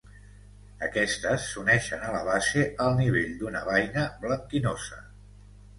Aquestes s'uneixen a la base al nivell d'una beina blanquinosa.